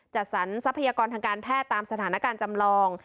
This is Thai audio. จัดสรรทรัพยากรทางการแพทย์ตามสถานการณ์จำลอง